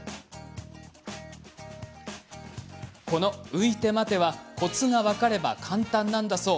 この浮いて待てはコツが分かれば簡単なんだそう。